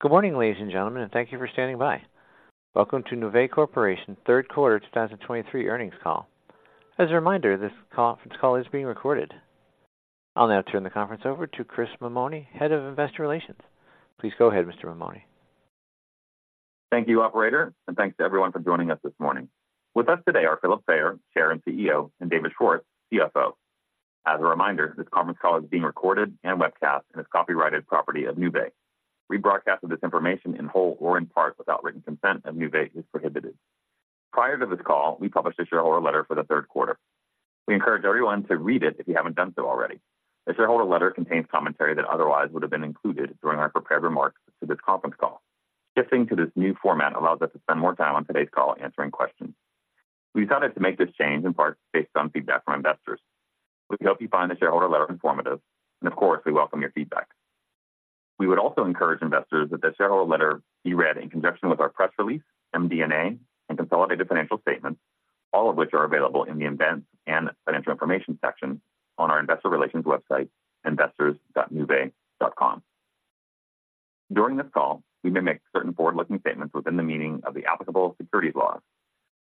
Good morning, ladies and gentlemen, and thank you for standing by. Welcome to Nuvei Corporation Third Quarter 2023 earnings call. As a reminder, this call, conference call is being recorded. I'll now turn the conference over to Chris Mammone, Head of Investor Relations. Please go ahead, Mr. Mammone. Thank you, operator, and thanks to everyone for joining us this morning. With us today are Philip Fayer, Chair and CEO, and David Schwartz, CFO. As a reminder, this conference call is being recorded and webcast and is copyrighted property of Nuvei. Rebroadcast of this information in whole or in part without written consent of Nuvei is prohibited. Prior to this call, we published a shareholder letter for the third quarter. We encourage everyone to read it if you haven't done so already. The shareholder letter contains commentary that otherwise would have been included during our prepared remarks to this conference call. Shifting to this new format allows us to spend more time on today's call answering questions. We decided to make this change in part based on feedback from investors. We hope you find the shareholder letter informative, and of course, we welcome your feedback. We would also encourage investors that the shareholder letter be read in conjunction with our press release, MD&A, and consolidated financial statements, all of which are available in the Events and Financial Information section on our investor relations website, investors.nuvei.com. During this call, we may make certain forward-looking statements within the meaning of the applicable securities laws.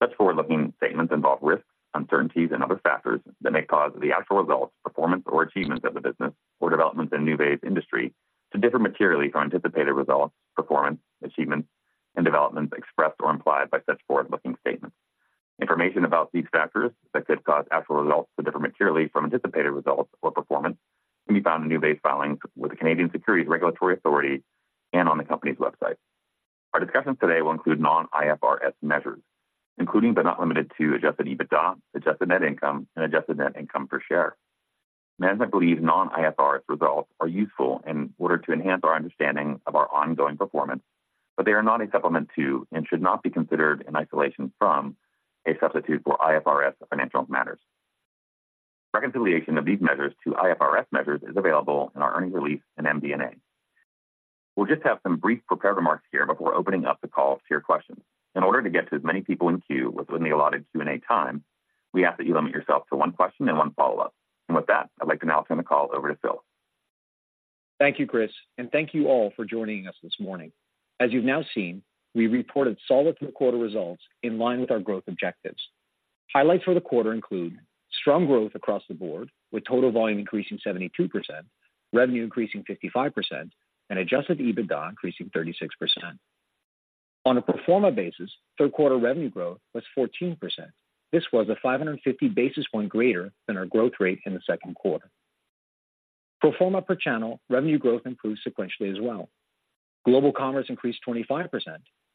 Such forward-looking statements involve risks, uncertainties, and other factors that may cause the actual results, performance, or achievements of the business or developments in Nuvei's industry to differ materially from anticipated results, performance, achievements, and developments expressed or implied by such forward-looking statements. Information about these factors that could cause actual results to differ materially from anticipated results or performance can be found in Nuvei's filings with the Canadian Securities Regulatory Authority and on the company's website. Our discussions today will include non-IFRS measures, including but not limited to Adjusted EBITDA, Adjusted net income, and Adjusted net income per share. Management believes non-IFRS results are useful in order to enhance our understanding of our ongoing performance, but they are not a supplement to and should not be considered in isolation from a substitute for IFRS financial matters. Reconciliation of these measures to IFRS measures is available in our earnings release and MD&A. We'll just have some brief prepared remarks here before opening up the call to your questions. In order to get to as many people in queue within the allotted Q&A time, we ask that you limit yourself to one question and one follow-up. With that, I'd like to now turn the call over to Phil. Thank you, Chris, and thank you all for joining us this morning. As you've now seen, we reported solid third quarter results in line with our growth objectives. Highlights for the quarter include strong growth across the board, with total volume increasing 72%, revenue increasing 55%, and adjusted EBITDA increasing 36%. On a pro forma basis, third quarter revenue growth was 14%. This was 550 basis points greater than our growth rate in the second quarter. Pro forma per channel, revenue growth improved sequentially as well. Global commerce increased 25%,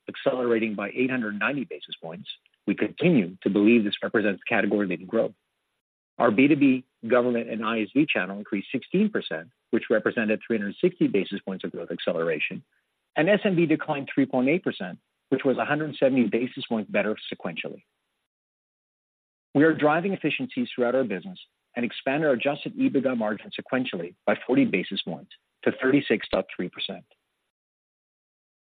accelerating by 890 basis points. We continue to believe this represents category-leading growth. Our B2B government and ISV channel increased 16%, which represented 360 basis points of growth acceleration, and SMB declined 3.8%, which was 170 basis points better sequentially. We are driving efficiencies throughout our business and expanded our adjusted EBITDA margin sequentially by 40 basis points to 36.3%.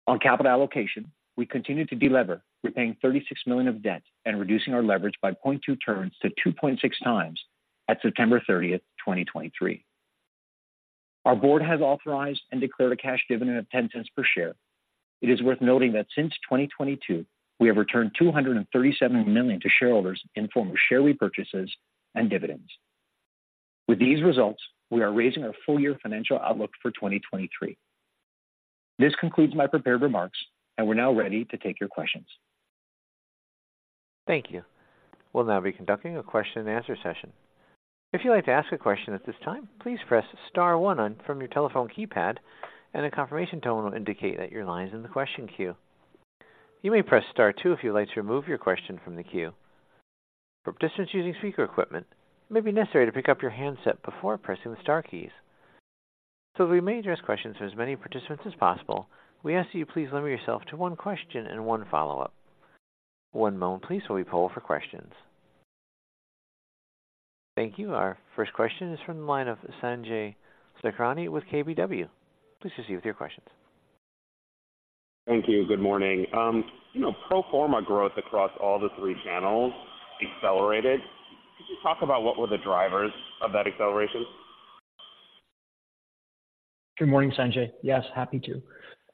On capital allocation, we continued to delever, repaying $36 million of debt and reducing our leverage by 0.2 turns to 2.6 times at September 30, 2023. Our board has authorized and declared a cash dividend of $0.10 per share. It is worth noting that since 2022, we have returned $237 million to shareholders in form of share repurchases and dividends. With these results, we are raising our full-year financial outlook for 2023. This concludes my prepared remarks, and we're now ready to take your questions. Thank you. We'll now be conducting a question and answer session. If you'd like to ask a question at this time, please press star one on or from your telephone keypad, and a confirmation tone will indicate that your line is in the question queue. You may press star two if you'd like to remove your question from the queue. For participants using speaker equipment, it may be necessary to pick up your handset before pressing the star keys. So that we may address questions to as many participants as possible, we ask that you please limit yourself to one question and one follow-up. One moment please, while we poll for questions. Thank you. Our first question is from the line of Sanjay Sakhrani with KBW. Please proceed with your questions. Thank you. Good morning. You know, pro forma growth across all the three channels accelerated. Could you talk about what were the drivers of that acceleration? Good morning, Sanjay. Yes, happy to.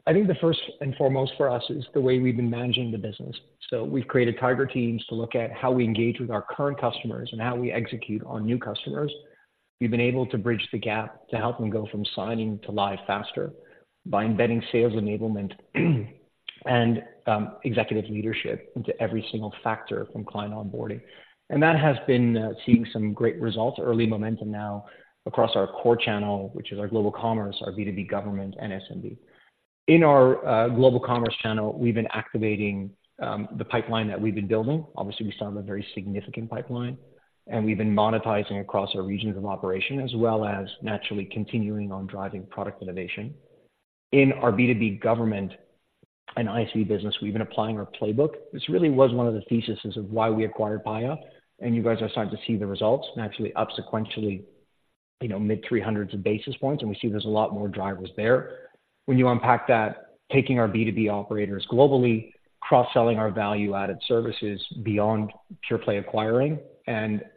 I think the first and foremost for us is the way we've been managing the business. So we've created tiger teams to look at how we engage with our current customers and how we execute on new customers. We've been able to bridge the gap to help them go from signing to live faster by embedding sales enablement, and executive leadership into every single factor from client onboarding. And that has been seeing some great results, early momentum now across our core channel, which is our global commerce, our B2B government, and SMB. In our global commerce channel, we've been activating the pipeline that we've been building. Obviously, we started a very significant pipeline, and we've been monetizing across our regions of operation, as well as naturally continuing on driving product innovation. In our B2B government and ISV business, we've been applying our playbook. This really was one of the theses of why we acquired Paya, and you guys are starting to see the results and actually up sequentially, you know, mid-300s basis points, and we see there's a lot more drivers there. When you unpack that, taking our B2B operators globally, cross-selling our value-added services beyond pure play acquiring.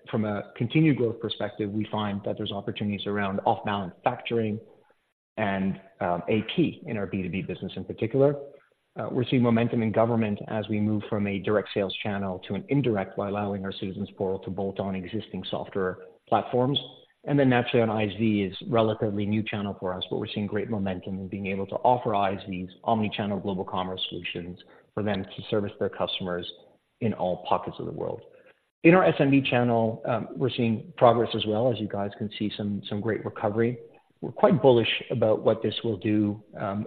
From a continued growth perspective, we find that there's opportunities around off-balance factoring and AP in our B2B business in particular. We're seeing momentum in government as we move from a direct sales channel to an indirect, while allowing our Citizens Portal to bolt on existing software platforms. Then naturally, on ISV is a relatively new channel for us, but we're seeing great momentum in being able to offer ISVs Omni-channel global commerce solutions for them to service their customers in all pockets of the world. In our SMB channel, we're seeing progress as well. As you guys can see, some great recovery. We're quite bullish about what this will do,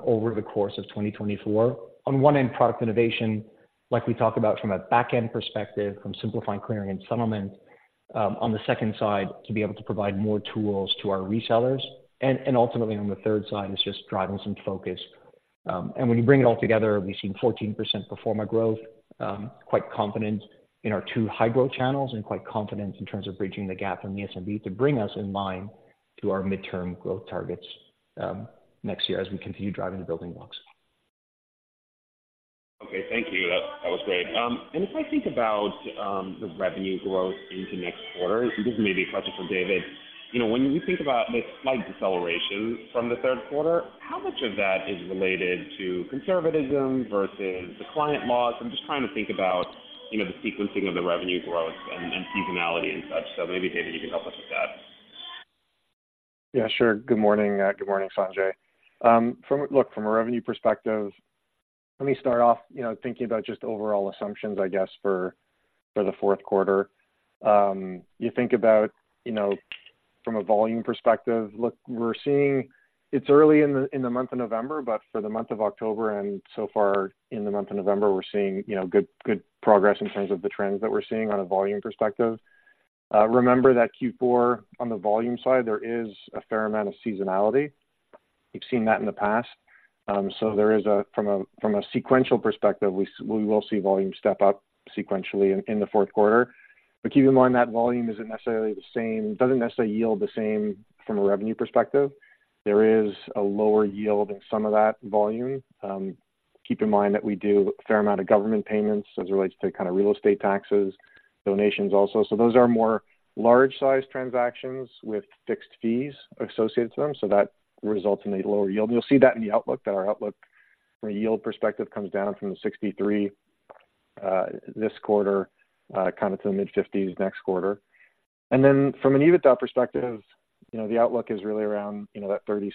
over the course of 2024. On one end, product innovation, like we talked about from a back-end perspective, from simplifying clearing and settlement, on the second side, to be able to provide more tools to our resellers. And ultimately, on the third side, is just driving some focus. When you bring it all together, we've seen 14% pro forma growth. We're quite confident in our two high-growth channels and quite confident in terms of bridging the gap in the SMB to bring us in line to our midterm growth targets, next year as we continue driving the building blocks. Okay, thank you. That, that was great. And if I think about the revenue growth into next quarter, and this may be a question for David. You know, when we think about the slight deceleration from the third quarter, how much of that is related to conservatism versus the client loss? I'm just trying to think about, you know, the sequencing of the revenue growth and seasonality and such. So maybe, David, you can help us with that. Yeah, sure. Good morning. Good morning, Sanjay. From-- look, from a revenue perspective, let me start off, you know, thinking about just overall assumptions, I guess, for, for the fourth quarter. You think about, you know, from a volume perspective, look, we're seeing... It's early in the, in the month of November, but for the month of October and so far in the month of November, we're seeing, you know, good, good progress in terms of the trends that we're seeing on a volume perspective. Remember that Q4, on the volume side, there is a fair amount of seasonality. We've seen that in the past. So there is a-- from a, from a sequential perspective, we will see volume step up sequentially in, in the fourth quarter. But keep in mind that volume isn't necessarily the same, doesn't necessarily yield the same from a revenue perspective. There is a lower yield in some of that volume. Keep in mind that we do a fair amount of government payments as it relates to kind of real estate taxes, donations also. So those are more large-sized transactions with fixed fees associated to them, so that results in a lower yield. You'll see that in the outlook, that our outlook from a yield perspective comes down from the 63%, this quarter, kind of to the mid-50s% next quarter. And then from an EBITDA perspective, you know, the outlook is really around, you know, that 36.5%,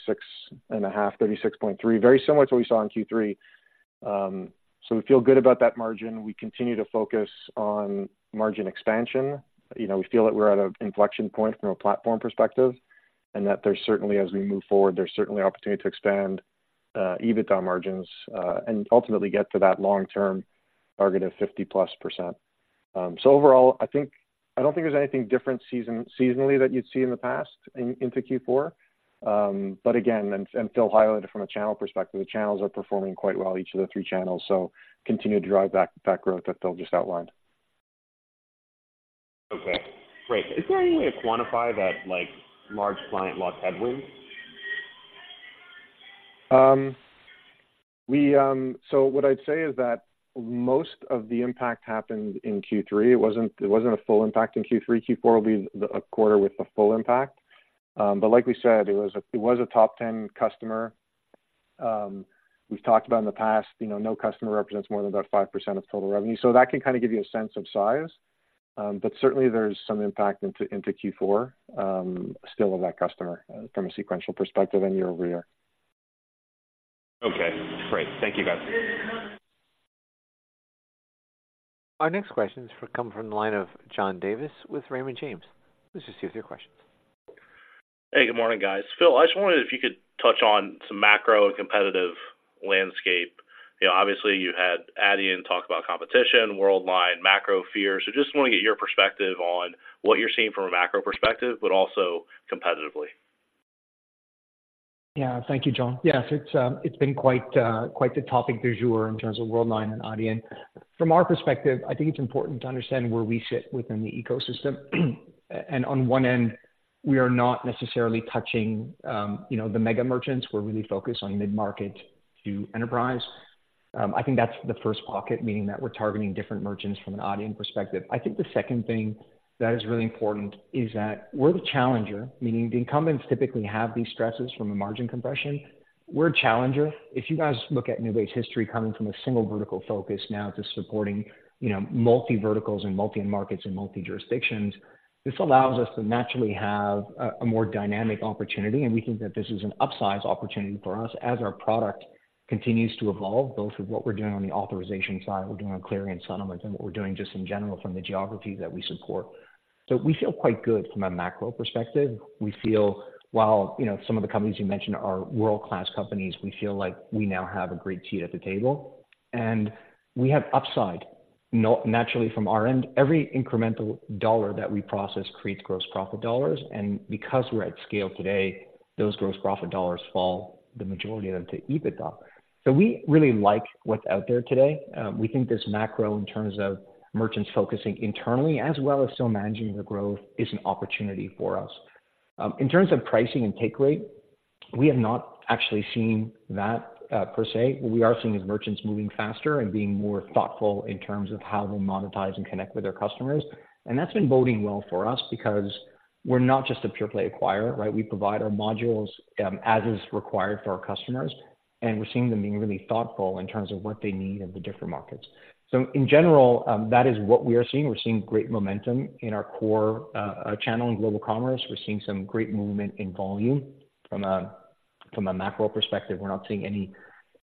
36.3%, very similar to what we saw in Q3. So we feel good about that margin. We continue to focus on margin expansion. You know, we feel that we're at an inflection point from a platform perspective, and that there's certainly, as we move forward, there's certainly opportunity to expand EBITDA margins, and ultimately get to that long-term target of 50%+. So overall, I think... I don't think there's anything different seasonally that you'd see in the past into Q4. But again, and Phil highlighted from a channel perspective, the channels are performing quite well, each of the three channels, so continue to drive that growth that Phil just outlined. Okay, great. Is there any way to quantify that, like, large client loss headwind? So what I'd say is that most of the impact happened in Q3. It wasn't a full impact in Q3. Q4 will be a quarter with the full impact. But like we said, it was a top 10 customer. We've talked about in the past, you know, no customer represents more than about 5% of total revenue. So that can kind of give you a sense of size, but certainly there's some impact into Q4 still of that customer from a sequential perspective and year-over-year. Okay, great. Thank you, guys. Our next question comes from the line of John Davis with Raymond James. This is you with your questions. Hey, good morning, guys. Phil, I just wondered if you could touch on some macro and competitive landscape. You know, obviously, you had Adyen talk about competition, worldwide macro fears. So just want to get your perspective on what you're seeing from a macro perspective, but also competitively. Yeah. Thank you, John. Yes, it's, it's been quite, quite the topic du jour in terms of worldwide and Adyen. From our perspective, I think it's important to understand where we sit within the ecosystem. And on one end, we are not necessarily touching, you know, the mega merchants. We're really focused on mid-market to enterprise. I think that's the first pocket, meaning that we're targeting different merchants from an Adyen perspective. I think the second thing that is really important is that we're the challenger, meaning the incumbents typically have these stresses from a margin compression. We're a challenger. If you guys look at Nuvei's history, coming from a single vertical focus now to supporting, you know, multi verticals and multi markets and multi jurisdictions, this allows us to naturally have a more dynamic opportunity, and we think that this is an upsize opportunity for us as our product continues to evolve, both with what we're doing on the authorization side, we're doing on clearing and settlements, and what we're doing just in general from the geographies that we support. So we feel quite good from a macro perspective. We feel, while, you know, some of the companies you mentioned are world-class companies, we feel like we now have a great seat at the table, and we have upside, naturally from our end. Every incremental dollar that we process creates gross profit dollars, and because we're at scale today, those gross profit dollars fall, the majority of them, to EBITDA. So we really like what's out there today. We think this macro, in terms of merchants focusing internally as well as still managing their growth, is an opportunity for us. In terms of pricing and take rate- We have not actually seen that, per se. What we are seeing is merchants moving faster and being more thoughtful in terms of how they monetize and connect with their customers. And that's been boding well for us because we're not just a pure play acquirer, right? We provide our modules, as is required for our customers, and we're seeing them being really thoughtful in terms of what they need in the different markets. So in general, that is what we are seeing. We're seeing great momentum in our core channel in global commerce. We're seeing some great movement in volume. From a macro perspective, we're not seeing any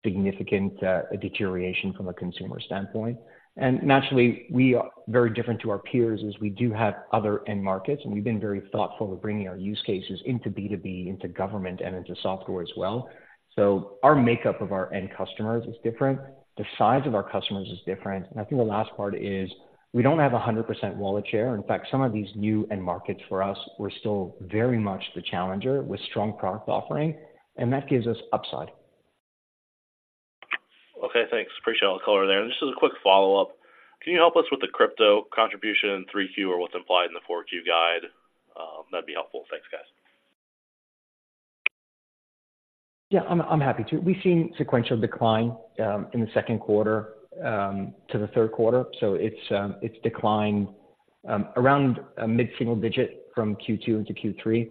significant deterioration from a consumer standpoint. Naturally, we are very different to our peers as we do have other end markets, and we've been very thoughtful of bringing our use cases into B2B, into government, and into software as well. So our makeup of our end customers is different, the size of our customers is different, and I think the last part is we don't have a 100% wallet share. In fact, some of these new end markets for us, we're still very much the challenger with strong product offering, and that gives us upside. Okay, thanks. Appreciate all the color there. And just as a quick follow-up, can you help us with the crypto contribution in 3Q or what's implied in the 4Q guide? That'd be helpful. Thanks, guys. Yeah, I'm happy to. We've seen sequential decline in the second quarter to the third quarter, so it's declined around a mid-single digit from Q2 into Q3.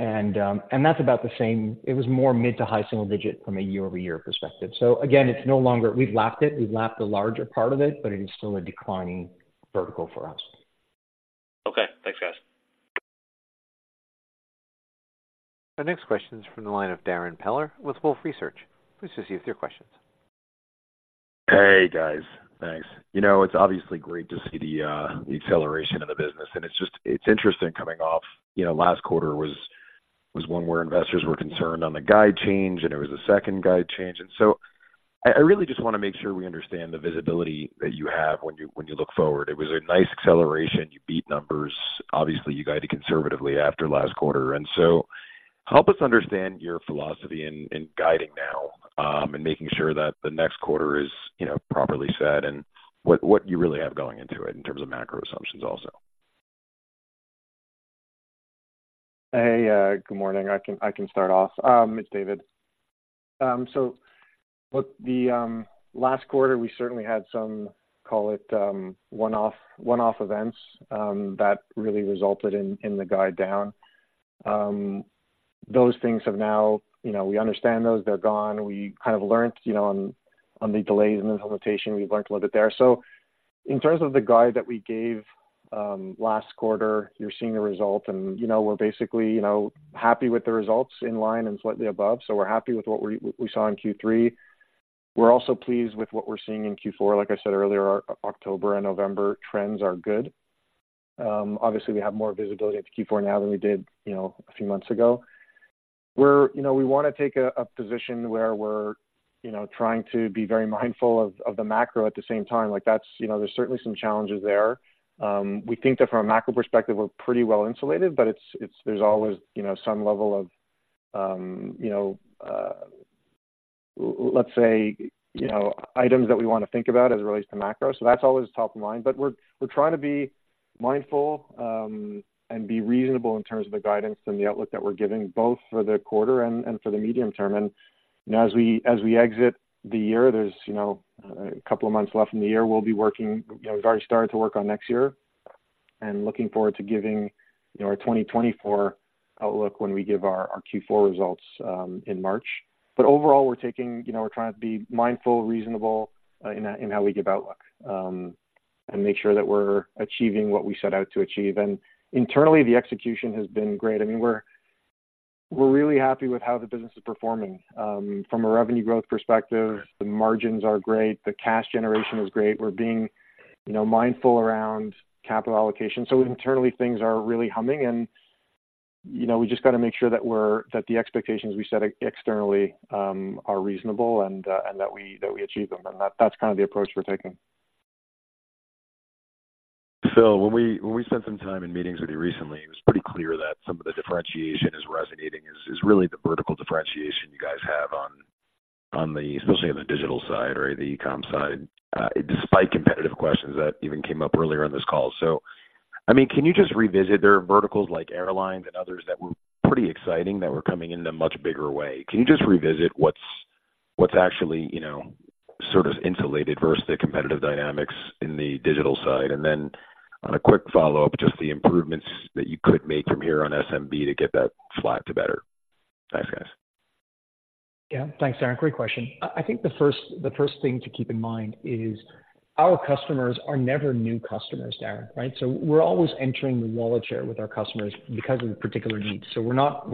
And that's about the same—it was more mid- to high-single digit from a year-over-year perspective. So again, it's no longer... We've lapped it, we've lapped the larger part of it, but it is still a declining vertical for us. Okay, thanks, guys. Our next question is from the line of Darren Peller with Wolfe Research. Please proceed with your questions. Hey, guys. Thanks. You know, it's obviously great to see the acceleration of the business, and it's just it's interesting coming off. You know, last quarter was one where investors were concerned on the guide change, and it was the second guide change. So I really just wanna make sure we understand the visibility that you have when you look forward. It was a nice acceleration. You beat numbers. Obviously, you guided conservatively after last quarter, so help us understand your philosophy in guiding now and making sure that the next quarter is properly set and what you really have going into it in terms of macro assumptions also. Hey, good morning. I can, I can start off. It's David. So look, the last quarter, we certainly had some, call it, one-off, one-off events that really resulted in, in the guide down. Those things have now—you know, we understand those, they're gone. We kind of learned, you know, on, on the delays in the implementation, we've learned a little bit there. So in terms of the guide that we gave last quarter, you're seeing the result and, you know, we're basically, you know, happy with the results in line and slightly above. So we're happy with what we, we saw in Q3. We're also pleased with what we're seeing in Q4. Like I said earlier, our October and November trends are good. Obviously, we have more visibility into Q4 now than we did, you know, a few months ago. We're, you know, we wanna take a position where we're, you know, trying to be very mindful of the macro at the same time. Like, that's, you know, there's certainly some challenges there. We think that from a macro perspective, we're pretty well insulated, but it's, there's always, you know, some level of, you know, let's say, you know, items that we wanna think about as it relates to macro. So that's always top of mind. But we're trying to be mindful and be reasonable in terms of the guidance and the outlook that we're giving, both for the quarter and for the medium term. And, you know, as we, as we exit the year, there's, you know, a couple of months left in the year, we'll be working, you know, we've already started to work on next year and looking forward to giving, you know, our 2024 outlook when we give our, our Q4 results in March. But overall, we're taking, you know, we're trying to be mindful, reasonable, in, in how we give outlook, and make sure that we're achieving what we set out to achieve. And internally, the execution has been great. I mean, we're, we're really happy with how the business is performing. From a revenue growth perspective, the margins are great, the cash generation is great. We're being, you know, mindful around capital allocation. So internally, things are really humming and, you know, we just got to make sure that the expectations we set externally are reasonable and that we achieve them, and that's kind of the approach we're taking. Phil, when we spent some time in meetings with you recently, it was pretty clear that some of the differentiation is resonating, really the vertical differentiation you guys have on, especially on the digital side or the e-com side, despite competitive questions that even came up earlier on this call. So, I mean, can you just revisit? There are verticals like airlines and others that were pretty exciting, that were coming in a much bigger way. Can you just revisit what's actually, you know, sort of insulated versus the competitive dynamics in the digital side? And then on a quick follow-up, just the improvements that you could make from here on SMB to get that flat to better. Thanks, guys. Yeah. Thanks, Darren. Great question. I think the first thing to keep in mind is our customers are never new customers, Darren, right? So we're always entering the wallet share with our customers because of their particular needs. So we're not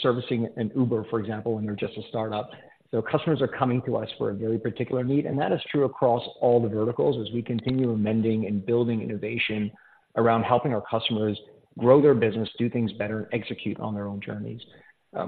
servicing an Uber, for example, when they're just a startup. So customers are coming to us for a very particular need, and that is true across all the verticals as we continue amending and building innovation around helping our customers grow their business, do things better, and execute on their own journeys.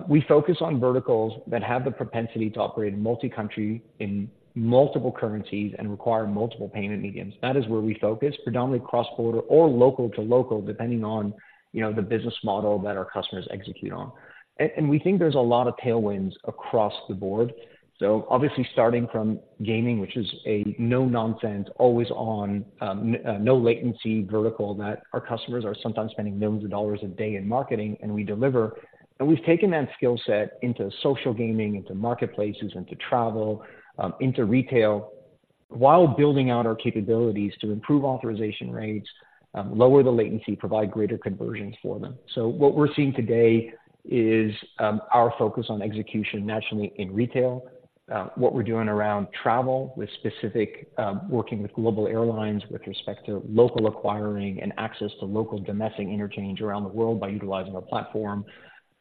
We focus on verticals that have the propensity to operate in multi-country, in multiple currencies, and require multiple payment mediums. That is where we focus, predominantly cross-border or local to local, depending on, you know, the business model that our customers execute on. And we think there's a lot of tailwinds across the board. So obviously starting from gaming, which is a no-nonsense, always on, no latency vertical, that our customers are sometimes spending millions of dollars a day in marketing, and we deliver. And we've taken that skill set into social gaming, into marketplaces, into travel, into retail while building out our capabilities to improve authorization rates, lower the latency, provide greater conversions for them. So what we're seeing today is our focus on execution nationally in retail, what we're doing around travel with specific working with global airlines with respect to local acquiring and access to local domestic interchange around the world by utilizing our platform.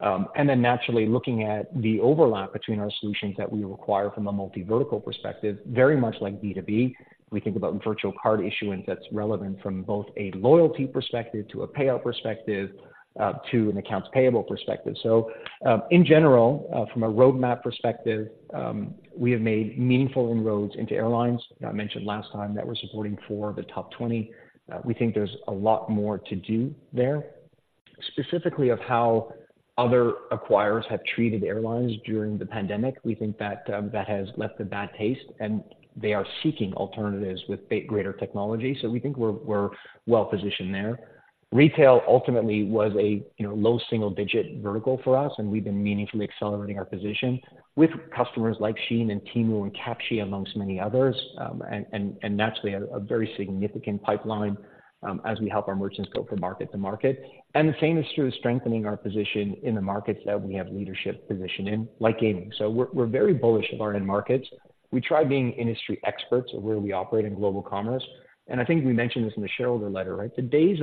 And then naturally, looking at the overlap between our solutions that we require from a multi-vertical perspective, very much like B2B. We think about virtual card issuance that's relevant from both a loyalty perspective to a payout perspective, to an accounts payable perspective. So, in general, from a roadmap perspective, we have made meaningful inroads into airlines. I mentioned last time that we're supporting 4 of the top 20. We think there's a lot more to do there. Specifically of how other acquirers have treated airlines during the pandemic, we think that that has left a bad taste, and they are seeking alternatives with greater technology, so we think we're well positioned there. Retail ultimately was a, you know, low single-digit vertical for us, and we've been meaningfully accelerating our position with customers like SHEIN and Temu and Cupshe, amongst many others. And naturally, a very significant pipeline, as we help our merchants go from market to market. The same is true, strengthening our position in the markets that we have leadership position in, like gaming. So we're very bullish of our end markets. We try being industry experts of where we operate in global commerce, and I think we mentioned this in the shareholder letter, right? The days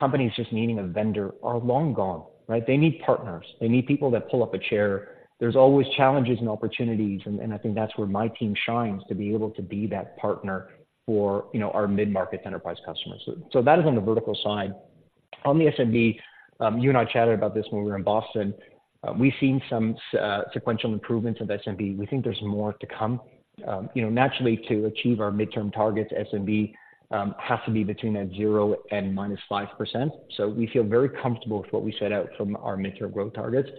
of companies just needing a vendor are long gone, right? They need partners. They need people that pull up a chair. There's always challenges and opportunities, and I think that's where my team shines, to be able to be that partner for, you know, our mid-market enterprise customers. So that is on the vertical side. On the SMB, you and I chatted about this when we were in Boston. We've seen some sequential improvements of SMB. We think there's more to come. You know, naturally, to achieve our midterm targets, SMB has to be between 0 and -5%. So we feel very comfortable with what we set out from our midterm growth targets.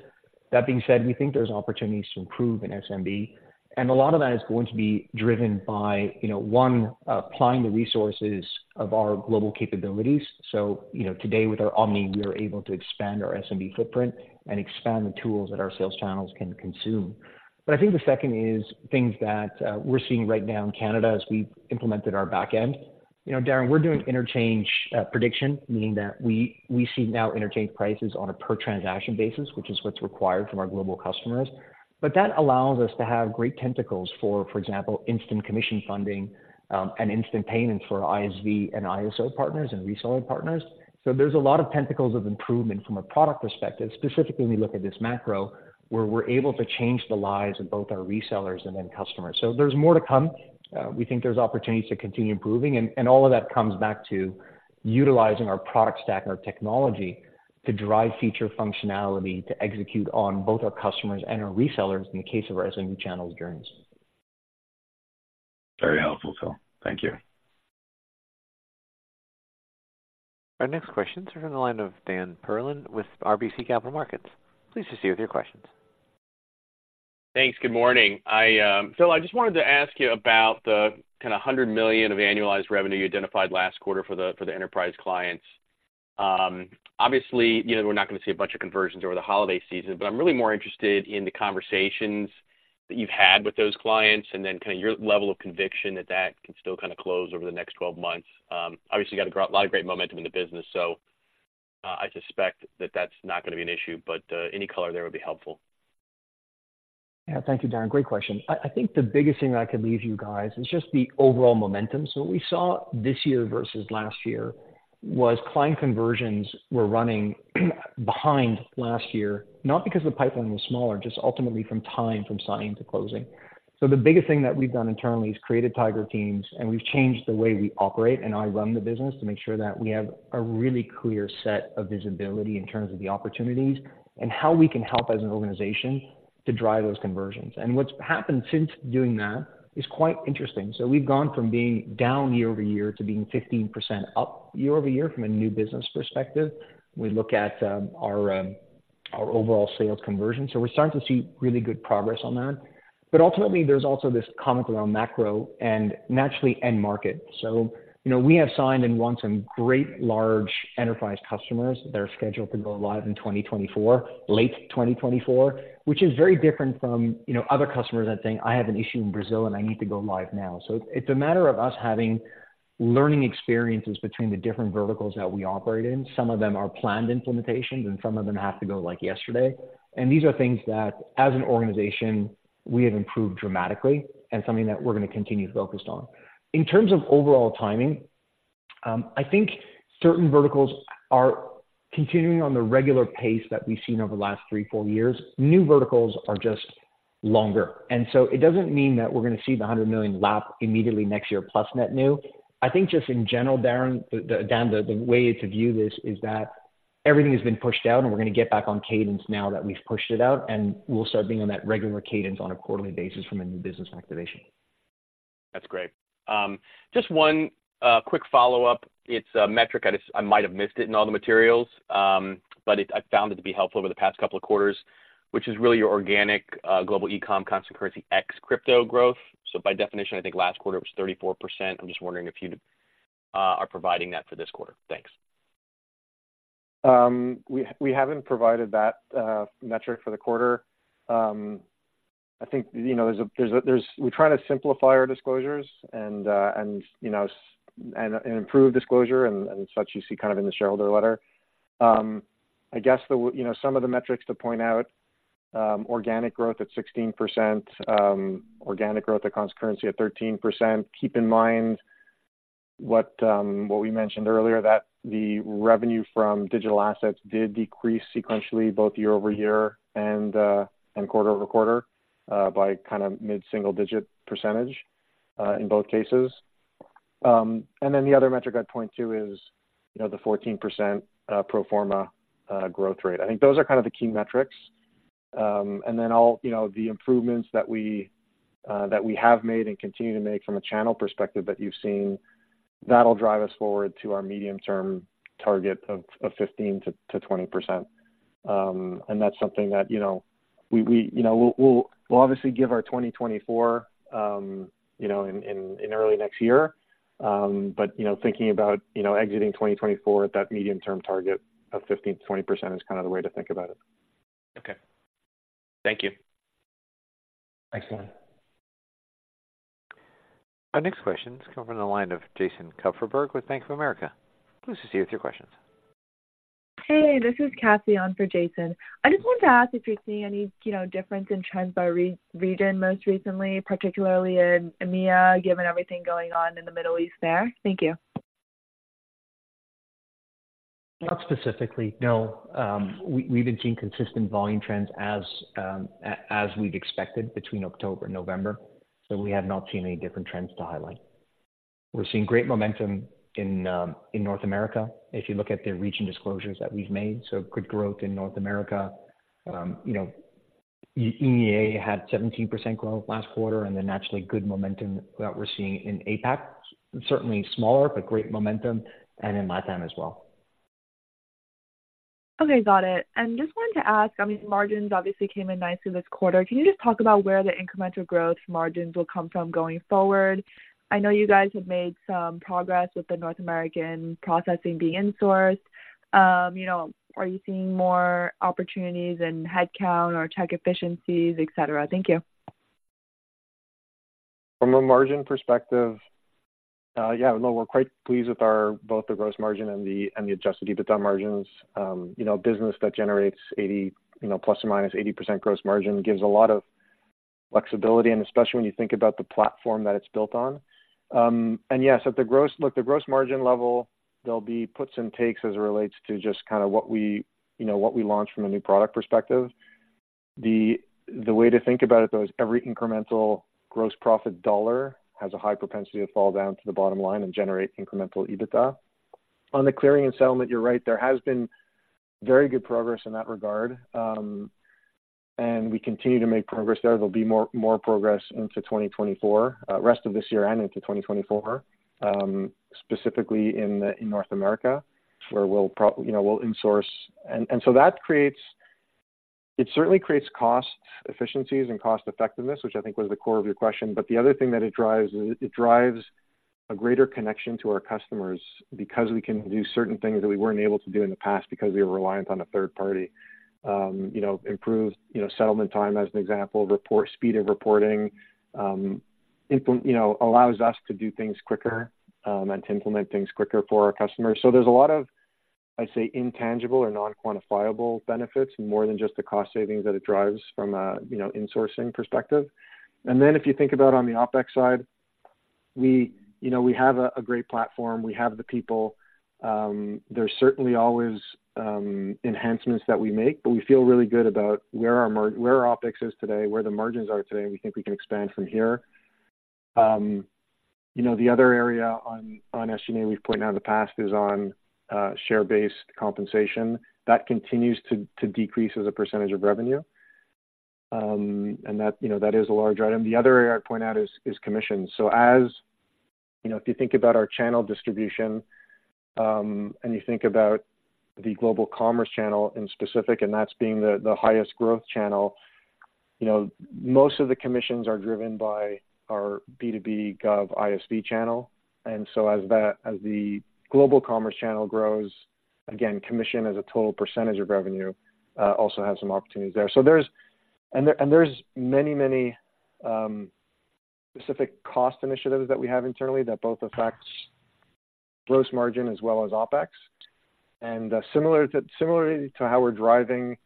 That being said, we think there's opportunities to improve in SMB, and a lot of that is going to be driven by, you know, one, applying the resources of our global capabilities. So, you know, today with our Omni, we are able to expand our SMB footprint and expand the tools that our sales channels can consume. But I think the second is things that we're seeing right now in Canada as we've implemented our back end. You know, Darren, we're doing interchange prediction, meaning that we see now interchange prices on a per transaction basis, which is what's required from our global customers. But that allows us to have great tentacles for, for example, instant commission funding, and instant payments for ISV and ISO partners and reseller partners. So there's a lot of tentacles of improvement from a product perspective, specifically when you look at this macro, where we're able to change the lives of both our resellers and end customers. So there's more to come. We think there's opportunities to continue improving, and all of that comes back to utilizing our product stack and our technology to drive future functionality to execute on both our customers and our resellers in the case of our SMB channel journeys. Very helpful, Phil. Thank you. Our next question is from the line of Dan Perlin with RBC Capital Markets. Please proceed with your questions. Thanks. Good morning. I, Phil, I just wanted to ask you about the kinda $100 million of annualized revenue you identified last quarter for the, for the enterprise clients. Obviously, you know, we're not going to see a bunch of conversions over the holiday season, but I'm really more interested in the conversations that you've had with those clients and then kinda your level of conviction that that can still kinda close over the next 12 months. Obviously, got a lot of great momentum in the business, so, I suspect that that's not going to be an issue, but, any color there would be helpful. Yeah, thank you, Dan. Great question. I, I think the biggest thing I could leave you guys is just the overall momentum. So what we saw this year versus last year was client conversions were running behind last year, not because the pipeline was smaller, just ultimately from time from signing to closing. So the biggest thing that we've done internally is created tiger teams, and we've changed the way we operate, and I run the business to make sure that we have a really clear set of visibility in terms of the opportunities and how we can help as an organization to drive those conversions. And what's happened since doing that is quite interesting. So we've gone from being down year-over-year to being 15% up year-over-year from a new business perspective. We look at our overall sales conversion, so we're starting to see really good progress on that. But ultimately, there's also this comment around macro and naturally, end market. So, you know, we have signed and won some great large enterprise customers that are scheduled to go live in 2024, late 2024, which is very different from, you know, other customers that think, "I have an issue in Brazil, and I need to go live now." So it's a matter of us having learning experiences between the different verticals that we operate in. Some of them are planned implementations, and some of them have to go, like, yesterday. And these are things that, as an organization, we have improved dramatically and something that we're going to continue to focus on. In terms of overall timing, I think certain verticals are continuing on the regular pace that we've seen over the last three, four years. New verticals are just longer, and so it doesn't mean that we're going to see the $100 million lap immediately next year plus net new. I think just in general, Darren, Dan, the way to view this is that everything has been pushed out, and we're going to get back on cadence now that we've pushed it out, and we'll start being on that regular cadence on a quarterly basis from a new business activation. That's great. Just one quick follow-up. It's a metric I just... I might have missed it in all the materials, but I found it to be helpful over the past couple of quarters, which is really your organic global e-com, constant currency, ex crypto growth. So by definition, I think last quarter was 34%. I'm just wondering if you'd are providing that for this quarter. Thanks. We haven't provided that metric for the quarter. I think, you know, we try to simplify our disclosures and, you know, improve disclosure and such, you see, kind of in the shareholder letter. I guess, you know, some of the metrics to point out, organic growth at 16%, organic growth at constant currency at 13%. Keep in mind what we mentioned earlier, that the revenue from digital assets did decrease sequentially, both year-over-year and quarter-over-quarter, by kind of mid-single digit percentage, in both cases. And then the other metric I'd point to is, you know, the 14% pro forma growth rate. I think those are kind of the key metrics. And then all, you know, the improvements that we, that we have made and continue to make from a channel perspective that you've seen, that'll drive us forward to our medium-term target of 15%-20%. And that's something that, you know, we, we, you know, we'll, we'll obviously give our 2024, you know, in, in, in early next year. But, you know, thinking about, you know, exiting 2024 at that medium-term target of 15%-20% is kind of the way to think about it. Okay. Thank you. Thanks, Dan. Our next question is coming from the line of Jason Kupferberg with Bank of America. Please proceed with your questions. Hey, this is Cassie on for Jason. I just wanted to ask if you're seeing any, you know, difference in trends by region most recently, particularly in EMEA, given everything going on in the Middle East there? Thank you. Not specifically, no. We've been seeing consistent volume trends as we'd expected between October and November, so we have not seen any different trends to highlight. We're seeing great momentum in North America, if you look at the region disclosures that we've made. So good growth in North America. You know, EMEA had 17% growth last quarter, and then naturally, good momentum that we're seeing in APAC. Certainly smaller, but great momentum, and in LATAM as well. Okay, got it. Just wanted to ask, I mean, margins obviously came in nicely this quarter. Can you just talk about where the incremental growth margins will come from going forward? I know you guys have made some progress with the North American processing being insourced. You know, are you seeing more opportunities in headcount or tech efficiencies, et cetera? Thank you. From a margin perspective, yeah, look, we're quite pleased with our, both the gross margin and the, and the Adjusted EBITDA margins. You know, business that generates 80, you know, ±80% gross margin gives a lot of flexibility, and especially when you think about the platform that it's built on. And yes, at the gross... Look, the gross margin level, there'll be puts and takes as it relates to just kind of what we, you know, what we launch from a new product perspective. The way to think about it, though, is every incremental gross profit dollar has a high propensity to fall down to the bottom line and generate incremental EBITDA. On the clearing and settlement, you're right, there has been very good progress in that regard, and we continue to make progress there. There'll be more, more progress into 2024, rest of this year and into 2024, specifically in North America, where we'll, you know, we'll insource. And so that creates. It certainly creates cost efficiencies and cost effectiveness, which I think was the core of your question. But the other thing that it drives is, it drives a greater connection to our customers, because we can do certain things that we weren't able to do in the past because we were reliant on a third party. You know, improved, you know, settlement time as an example, speed of reporting, you know, allows us to do things quicker, and to implement things quicker for our customers. So there's a lot of, I'd say, intangible or non-quantifiable benefits, more than just the cost savings that it drives from a, you know, insourcing perspective. And then if you think about on the OpEx side, we, you know, we have a great platform. We have the people. There's certainly always enhancements that we make, but we feel really good about where our OpEx is today, where the margins are today, and we think we can expand from here. You know, the other area on SG&A we've pointed out in the past is on share-based compensation. That continues to decrease as a percentage of revenue. And that, you know, that is a large item. The other area I'd point out is commissions. So as you know, if you think about our channel distribution, and you think about the global commerce channel in specific, and that's being the, the highest growth channel, you know, most of the commissions are driven by our B2B gov ISV channel. And so as that, as the global commerce channel grows, again, commission as a total percentage of revenue, also have some opportunities there. So there's... And there, and there's many, many, specific cost initiatives that we have internally that both affects gross margin as well as OpEx. Similar to how we're driving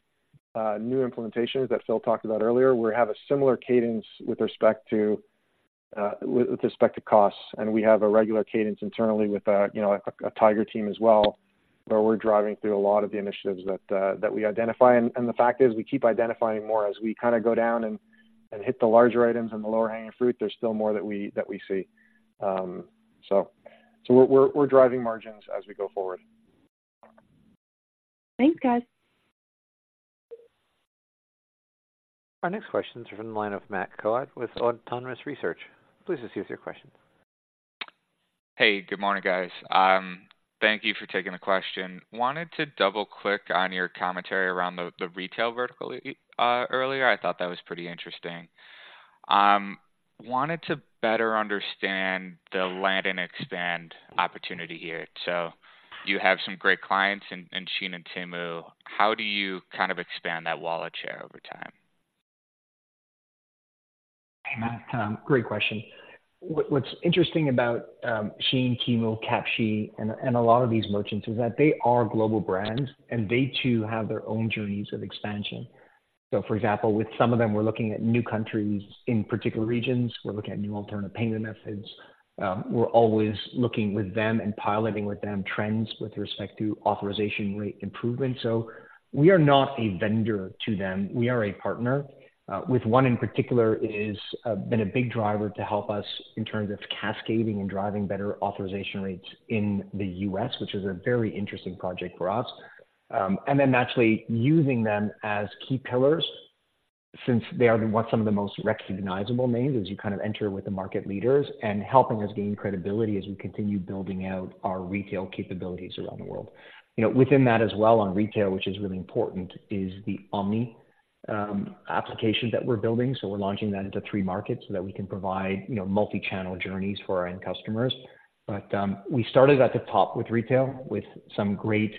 new implementations that Phil talked about earlier, we have a similar cadence with respect to costs, and we have a regular cadence internally with, you know, a tiger team as well, where we're driving through a lot of the initiatives that we identify. And the fact is, we keep identifying more as we kind of go down and hit the larger items and the low-hanging fruit. There's still more that we see. So we're driving margins as we go forward. Thanks, guys. Our next question is from the line of Matt Coad with Autonomous Research. Please proceed with your question. Hey, good morning, guys. Thank you for taking the question. Wanted to double-click on your commentary around the, the retail vertical, earlier. I thought that was pretty interesting. Wanted to better understand the land and expand opportunity here. So you have some great clients in SHEIN and Temu. How do you kind of expand that wallet share over time? Hey, Matt, great question. What's interesting about Shein, Temu, Cupshe, and a lot of these merchants is that they are global brands, and they too have their own journeys of expansion. So for example, with some of them, we're looking at new countries in particular regions. We're looking at new alternative payment methods. We're always looking with them and piloting with them trends with respect to authorization rate improvement. So we are not a vendor to them, we are a partner. With one in particular, it is been a big driver to help us in terms of cascading and driving better authorization rates in the U.S., which is a very interesting project for us. And then naturally using them as key pillars since they are what some of the most recognizable names as you kind of enter with the market leaders, and helping us gain credibility as we continue building out our retail capabilities around the world. You know, within that as well on retail, which is really important, is the Omni application that we're building. So we're launching that into three markets so that we can provide, you know, multi-channel journeys for our end customers. But we started at the top with retail, with some great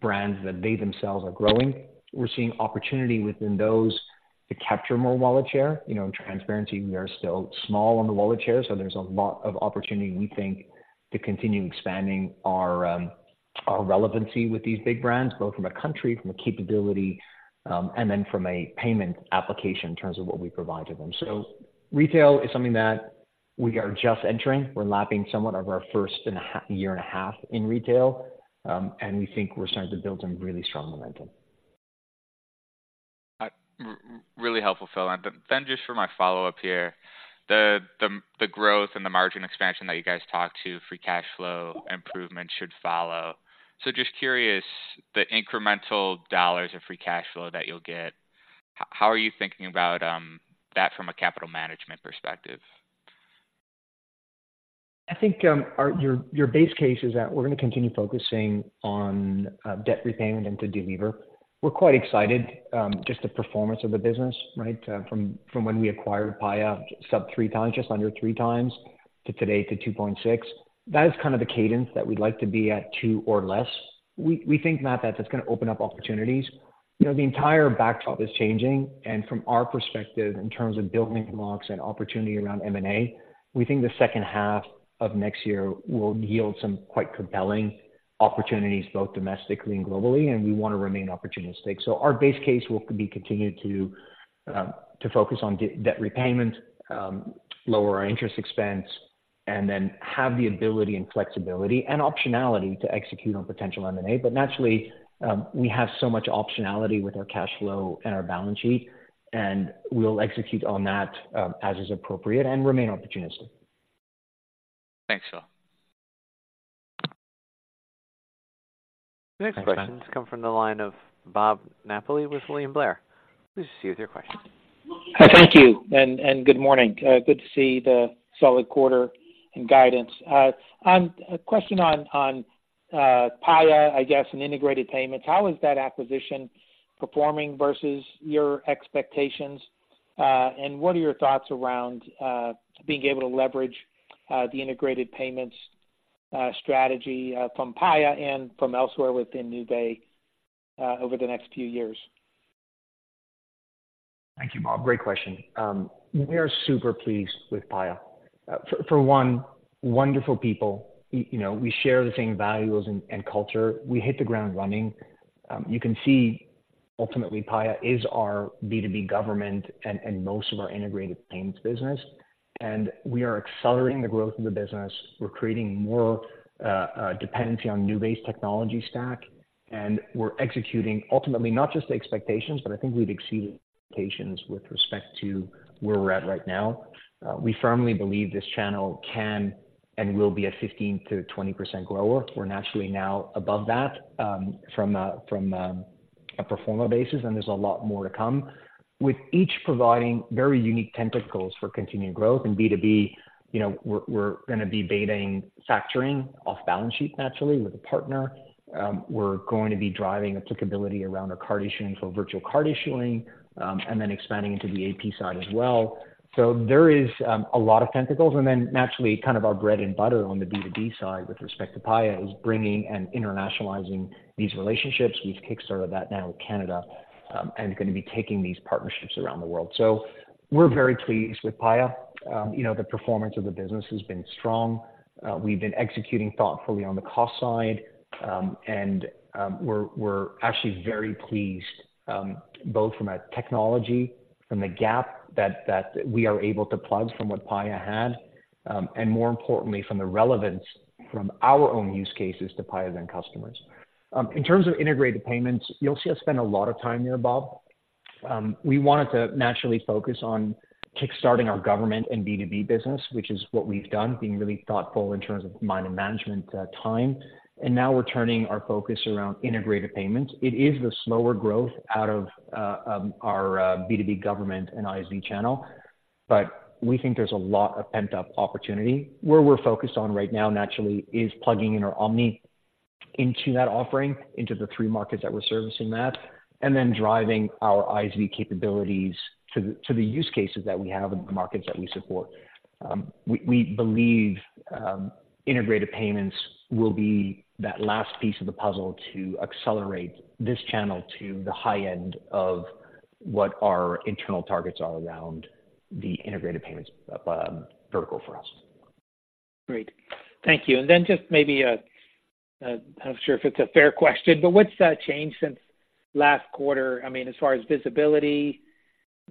brands that they themselves are growing. We're seeing opportunity within those to capture more wallet share. You know, in transparency, we are still small on the wallet share, so there's a lot of opportunity, we think, to continue expanding our, our relevancy with these big brands, both from a country, from a capability, and then from a payment application in terms of what we provide to them. So retail is something that we are just entering. We're lapping somewhat of our first year and a half in retail, and we think we're starting to build some really strong momentum. Really helpful, Phil. And then just for my follow-up here, the growth and the margin expansion that you guys talked to, free cash flow improvement should follow. So just curious, the incremental dollars of free cash flow that you'll get, how are you thinking about that from a capital management perspective? I think, our - your base case is that we're going to continue focusing on debt repayment and to delever. We're quite excited, just the performance of the business, right? From when we acquired Paya, sub-3x, just under 3x, to today to 2.6x. That is kind of the cadence that we'd like to be at 2x or less. We think, Matt, that that's going to open up opportunities. You know, the entire backdrop is changing, and from our perspective, in terms of building blocks and opportunity around M&A, we think the second half of next year will yield some quite compelling opportunities, both domestically and globally, and we want to remain opportunistic. Our base case will continue to focus on debt repayment, lower our interest expense, and then have the ability and flexibility and optionality to execute on potential M&A. But naturally, we have so much optionality with our cash flow and our balance sheet, and we'll execute on that, as is appropriate and remain opportunistic. Thanks, Phil. The next questions come from the line of Bob Napoli with William Blair. Please proceed with your question. Thank you, and, and good morning. Good to see the solid quarter and guidance. A question on, on, Paya, I guess, and integrated payments. How is that acquisition performing versus your expectations? And what are your thoughts around, being able to leverage, the integrated payments, strategy, from Paya and from elsewhere within Nuvei, over the next few years? Thank you, Bob. Great question. We are super pleased with Paya. For one, wonderful people. You know, we share the same values and culture. We hit the ground running. You can see ultimately, Paya is our B2B government and most of our integrated payments business, and we are accelerating the growth of the business. We're creating more dependency on Nuvei's technology stack, and we're executing ultimately, not just the expectations, but I think we've exceeded expectations with respect to where we're at right now. We firmly believe this channel can and will be a 15%-20% grower. We're naturally now above that, from a pro forma basis, and there's a lot more to come. With each providing very unique tentacles for continued growth and B2B, you know, we're going to be betting, factoring off balance sheet naturally with a partner. We're going to be driving applicability around our card issuing, so virtual card issuing, and then expanding into the AP side as well. So there is a lot of tentacles. And then naturally, kind of our bread and butter on the B2B side with respect to Paya, is bringing and internationalizing these relationships. We've kickstarted that now in Canada, and going to be taking these partnerships around the world. So we're very pleased with Paya. You know, the performance of the business has been strong. We've been executing thoughtfully on the cost side. And we're actually very pleased, both from a technology, from the gap that we are able to plug from what Paya had, and more importantly, from the relevance from our own use cases to Paya's end customers. In terms of integrated payments, you'll see us spend a lot of time there, Bob. We wanted to naturally focus on kickstarting our government and B2B business, which is what we've done, being really thoughtful in terms of mind and management time. And now we're turning our focus around integrated payments. It is the slower growth out of our B2B government and ISV channel, but we think there's a lot of pent-up opportunity. Where we're focused on right now, naturally, is plugging in our Omni into that offering, into the three markets that we're servicing, and then driving our ISV capabilities to the use cases that we have in the markets that we support. We believe integrated payments will be that last piece of the puzzle to accelerate this channel to the high end of what our internal targets are around the integrated payments vertical for us. Great. Thank you. And then just maybe a, I'm not sure if it's a fair question, but what's changed since last quarter? I mean, as far as visibility,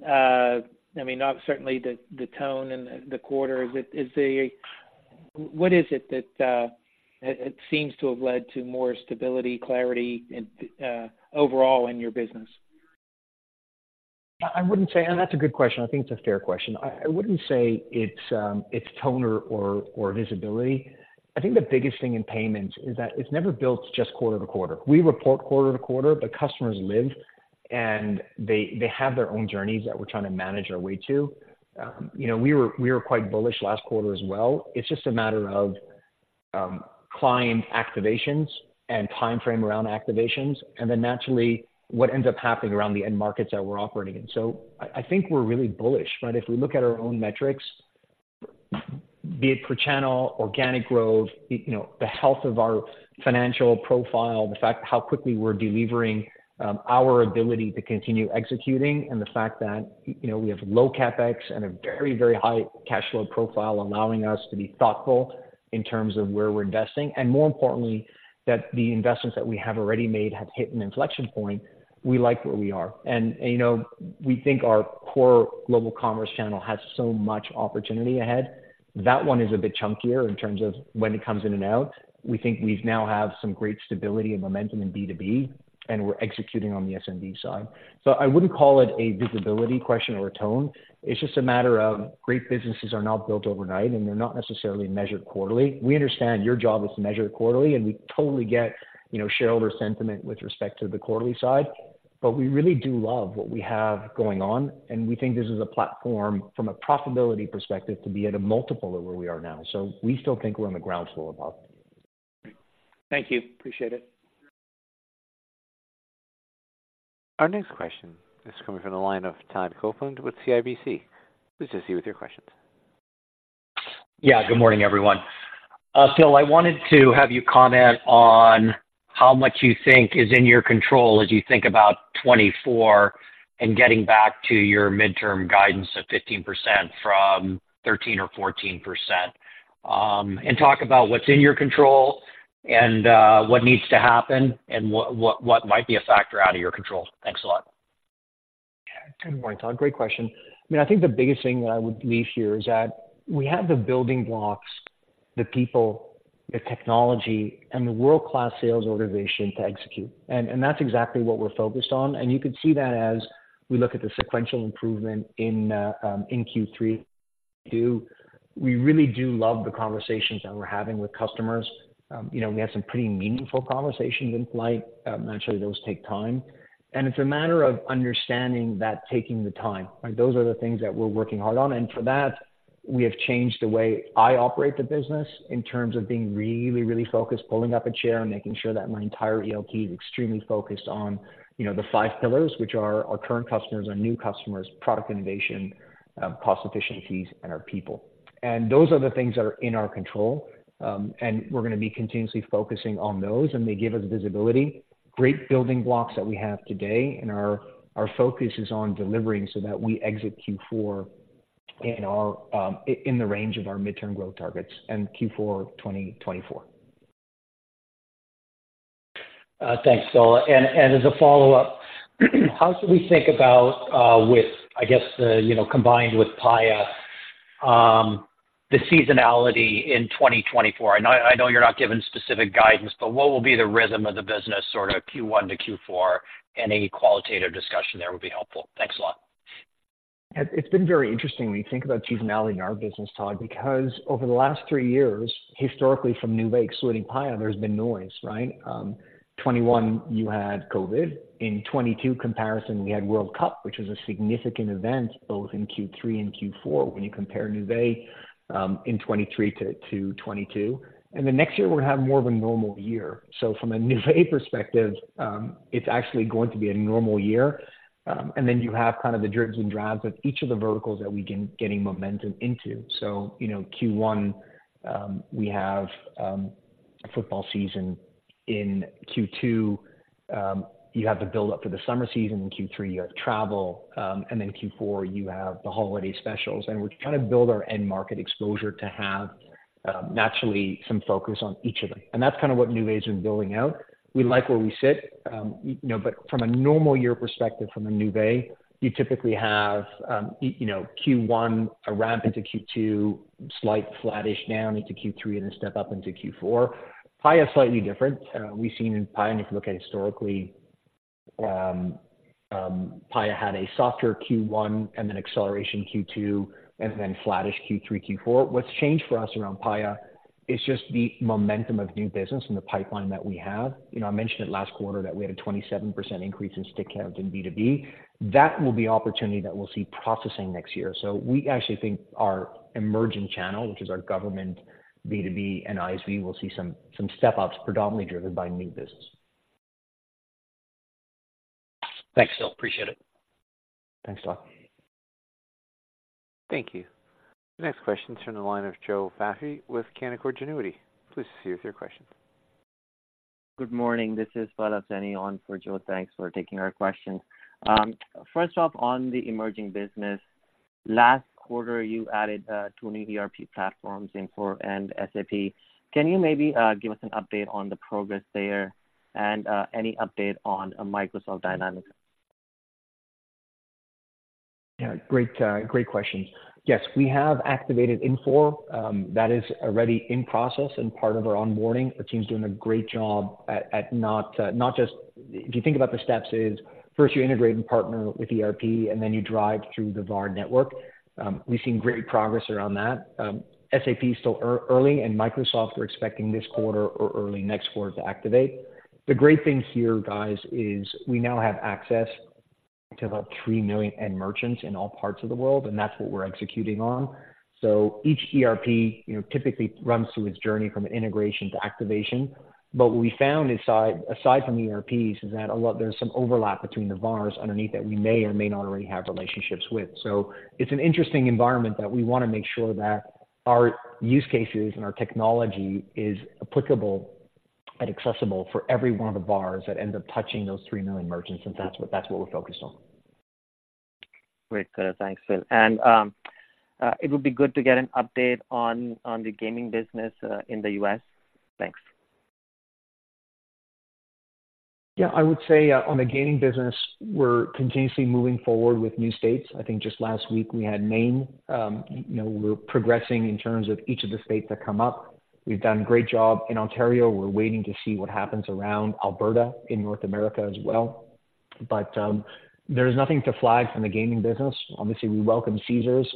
I mean, not certainly the tone and the quarter. Is it, What is it that it seems to have led to more stability, clarity, and overall in your business? I wouldn't say... And that's a good question. I think it's a fair question. I wouldn't say it's tone or visibility. I think the biggest thing in payments is that it's never built just quarter to quarter. We report quarter to quarter, but customers live, and they have their own journeys that we're trying to manage our way to. You know, we were quite bullish last quarter as well. It's just a matter of client activations and time frame around activations, and then naturally, what ends up happening around the end markets that we're operating in. So I think we're really bullish, right? If we look at our own metrics, be it per channel, organic growth, you know, the health of our financial profile, the fact how quickly we're delivering, our ability to continue executing, and the fact that, you know, we have low CapEx and a very, very high cash flow profile, allowing us to be thoughtful in terms of where we're investing, and more importantly, that the investments that we have already made have hit an inflection point. We like where we are. And, you know, we think our core global commerce channel has so much opportunity ahead. That one is a bit chunkier in terms of when it comes in and out. We think we've now have some great stability and momentum in B2B, and we're executing on the SMB side. So I wouldn't call it a visibility question or a tone. It's just a matter of great businesses are not built overnight, and they're not necessarily measured quarterly. We understand your job is measured quarterly, and we totally get, you know, shareholder sentiment with respect to the quarterly side. But we really do love what we have going on, and we think this is a platform from a profitability perspective, to be at a multiple of where we are now. So we still think we're on the ground floor of opportunity. Thank you. Appreciate it. Our next question is coming from the line of Todd Coupland with CIBC. Please proceed with your questions. Yeah, good morning, everyone. Phil, I wanted to have you comment on how much you think is in your control as you think about 2024, and getting back to your midterm guidance of 15% from 13% or 14%. Talk about what's in your control and what needs to happen and what might be a factor out of your control. Thanks a lot. Good morning, Todd. Great question. I mean, I think the biggest thing that I would leave here is that we have the building blocks, the people, the technology, and the world-class sales organization to execute. And that's exactly what we're focused on, and you could see that as we look at the sequential improvement in Q3 too. We really do love the conversations that we're having with customers. You know, we have some pretty meaningful conversations in play. Naturally, those take time, and it's a matter of understanding that taking the time, right? Those are the things that we're working hard on, and for that, we have changed the way I operate the business in terms of being really, really focused, pulling up a chair and making sure that my entire ELT is extremely focused on, you know, the five pillars, which are our current customers, our new customers, product innovation, cost efficiencies, and our people. And those are the things that are in our control, and we're gonna be continuously focusing on those, and they give us visibility. Great building blocks that we have today and our focus is on delivering so that we exit Q4 in our, in the range of our midterm growth targets and Q4 2024. Thanks, Phil. And as a follow-up, how should we think about with, I guess, the, you know, combined with Paya, the seasonality in 2024? I know, I know you're not giving specific guidance, but what will be the rhythm of the business, sort of Q1 to Q4? Any qualitative discussion there would be helpful. Thanks a lot. It's been very interesting when you think about seasonality in our business, Todd, because over the last three years, historically from Nuvei, excluding Paya, there's been noise, right? 2021, you had COVID. In 2022 comparison, we had World Cup, which was a significant event both in Q3 and Q4 when you compare Nuvei in 2023 to 2022. And then next year we'll have more of a normal year. So from a Nuvei perspective, it's actually going to be a normal year. And then you have kind of the dribs and drabs of each of the verticals that we're getting momentum into. So, you know, Q1, we have football season. In Q2, you have the build up to the summer season. In Q3, you have travel. And then Q4, you have the holiday specials. We're trying to build our end market exposure to have, naturally some focus on each of them. And that's kind of what Nuvei's been building out. We like where we sit, you know, but from a normal year perspective, from a Nuvei, you typically have, you know, Q1, a ramp into Q2, slight flattish down into Q3, and then step up into Q4. Paya is slightly different. We've seen in Paya, and if you look at historically, Paya had a softer Q1 and then acceleration Q2, and then flattish Q3, Q4. What's changed for us around Paya is just the momentum of new business and the pipeline that we have. You know, I mentioned it last quarter that we had a 27% increase in site count in B2B. That will be opportunity that we'll see processing next year. So we actually think our emerging channel, which is our government, B2B and ISV, will see some step-ups, predominantly driven by new business.... Thanks, Phil. Appreciate it. Thanks, Todd. Thank you. The next question is from the line of Joe Vafi with Canaccord Genuity. Please proceed with your question. Good morning. This is Pallav Saini on for Joe. Thanks for taking our question. First off, on the emerging business, last quarter, you added two new ERP platforms, Infor and SAP. Can you maybe give us an update on the progress there and any update on Microsoft Dynamics? Yeah, great, great question. Yes, we have activated Infor. That is already in process and part of our onboarding. The team's doing a great job at not just - If you think about the steps is, first, you integrate and partner with ERP, and then you drive through the VAR network. We've seen great progress around that. SAP is still early, and Microsoft, we're expecting this quarter or early next quarter to activate. The great thing here, guys, is we now have access to about 3 million end merchants in all parts of the world, and that's what we're executing on. So each ERP, you know, typically runs through its journey from integration to activation. But what we found inside, aside from the ERPs, is that a lot, there's some overlap between the VARs underneath that we may or may not already have relationships with. So it's an interesting environment that we want to make sure that our use cases and our technology is applicable and accessible for every one of the VARs that end up touching those 3 million merchants, since that's what, that's what we're focused on. Great. Good. Thanks, Phil. It would be good to get an update on the gaming business in the U.S. Thanks. Yeah. I would say on the gaming business, we're continuously moving forward with new states. I think just last week, we had Maine. You know, we're progressing in terms of each of the states that come up. We've done a great job in Ontario. We're waiting to see what happens around Alberta, in North America as well. But there's nothing to flag from the gaming business. Obviously, we welcome Caesars.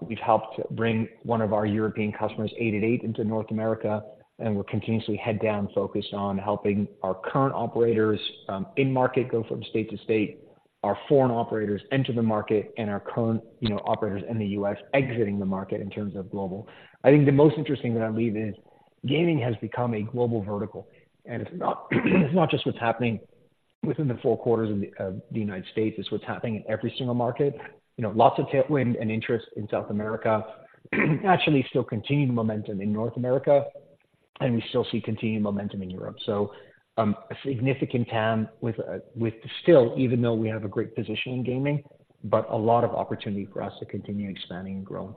We've helped bring one of our European customers, 888, into North America, and we're continuously head down, focused on helping our current operators in-market, go from state to state, our foreign operators enter the market, and our current, you know, operators in the US exiting the market in terms of global. I think the most interesting thing I believe is, gaming has become a global vertical, and it's not, it's not just what's happening within the four corners of the, the United States, it's what's happening in every single market. You know, lots of tailwind and interest in South America. Actually, still continuing momentum in North America, and we still see continuing momentum in Europe. So, a significant TAM with, with still, even though we have a great position in gaming, but a lot of opportunity for us to continue expanding and growing.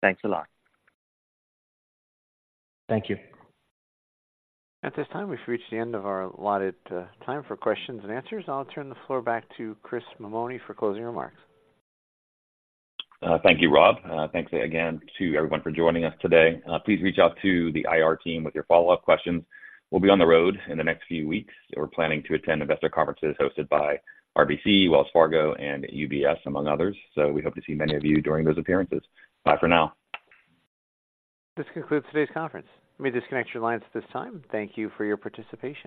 Thanks a lot. Thank you. At this time, we've reached the end of our allotted time for questions and answers. I'll turn the floor back to Chris Mammone for closing remarks. Thank you, Rob. Thanks again to everyone for joining us today. Please reach out to the IR team with your follow-up questions. We'll be on the road in the next few weeks. We're planning to attend investor conferences hosted by RBC, Wells Fargo, and UBS, among others. So we hope to see many of you during those appearances. Bye for now. This concludes today's conference. You may disconnect your lines at this time. Thank you for your participation.